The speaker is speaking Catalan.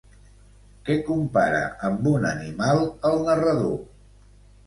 Què compara amb un animal, el narrador?